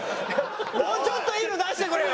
もうちょっといいの出してくれよ！